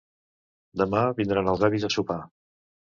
Demà vindran els avis a sopar